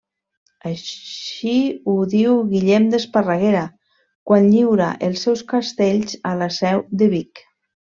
Així ho diu Guillem d'Esparreguera, quan lliura els seus castells a la seu de Vic.